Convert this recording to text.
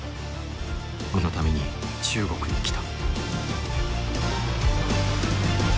この日のために中国に来た。